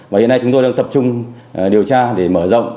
và hiện nay chúng tôi đang tập trung điều tra để mở rộng